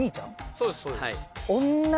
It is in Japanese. そうですそうです。